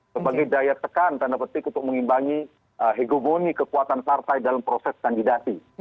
sebagai daya tekan tanda petik untuk mengimbangi hegemoni kekuatan partai dalam proses kandidasi